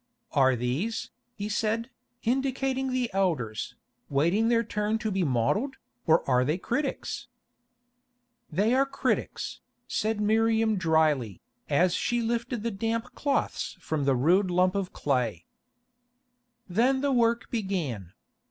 "Are these," he said, indicating the elders, "waiting their turn to be modelled, or are they critics?" "They are critics," said Miriam drily, as she lifted the damp cloths from the rude lump of clay. Then the work began.